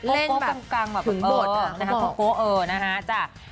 เล่นแบบถึงโบสถ์